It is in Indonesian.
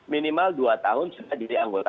minimal dua tahun sudah jadi anggota partai